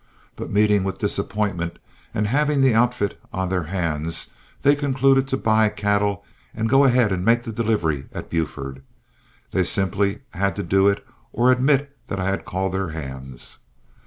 But meeting with disappointment and having the outfit on their hands, they concluded to buy cattle and go ahead and make the delivery at Buford. They simply had to do it or admit that I had called their hands.